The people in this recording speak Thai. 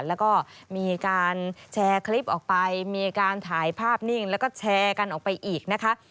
แล้วก็มีการแชร์คลิปออกไปมีการถ่ายภาพนิ่งแล้วก็แชร์กันออกไปอีกนะคะ